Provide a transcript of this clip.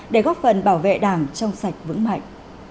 để góp phần bảo vệ đảng trong sạch vững mạnh